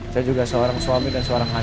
saya juga seorang suami dan seorang ayah